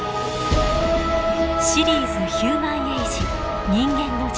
シリーズ「ヒューマンエイジ人間の時代」。